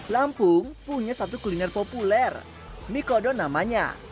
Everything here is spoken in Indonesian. lampung punya satu kuliner populer mie kodon namanya